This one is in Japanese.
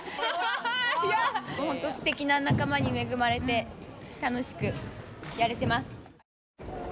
すてきな仲間に恵まれて楽しくやれてます。